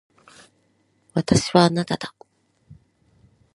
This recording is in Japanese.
私はあなただ。